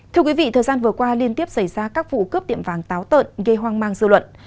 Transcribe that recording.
thưa quý vị thời gian vừa qua liên tiếp xảy ra các vụ cướp tiệm vàng táo tợn gây hoang mang dư luận